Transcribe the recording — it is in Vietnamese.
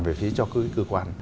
về phía cho cơ quan